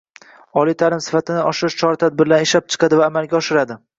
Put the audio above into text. oliy ta’lim sifatini oshirish chora-tadbirlarini ishlab chiqadi va amalga oshiradi